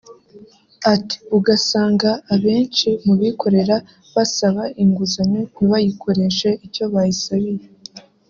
Ati “Usanga abenshi mu bikorera basaba inguzanyo ntibayikoreshe icyo bayisabiye